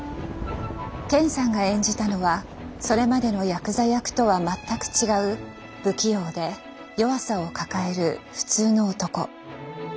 健さんが演じたのはそれまでのヤクザ役とは全く違う不器用で弱さを抱える普通の男。